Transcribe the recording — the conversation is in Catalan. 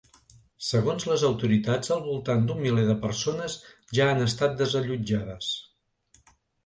Segons les autoritats al voltant d’un miler de persones ja han estat desallotjades.